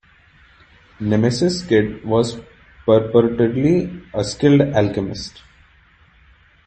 Nemesis Kid was purportedly a skilled alchemist.